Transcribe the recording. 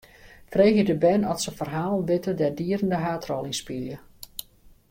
Freegje de bern oft se ferhalen witte dêr't dieren de haadrol yn spylje.